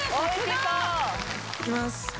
いきます